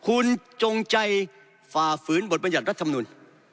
คุณจงใจฝ่าฝืนบทบรรยัตรรัฐธรรรมนุษย์